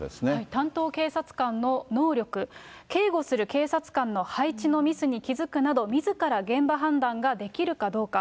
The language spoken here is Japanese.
担当警察官の能力、警護する警察官の配置のミスに気付くなど、みずから現場判断ができるかどうか。